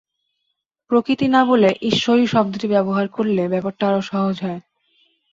প্রকৃতি না বলে ঈশ্বরী শব্দটি ব্যবহার করলে ব্যাপারটা আরো সহজ হয়।